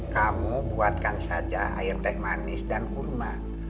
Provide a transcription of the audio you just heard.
kamu buatkan saja air teh manis dan kurma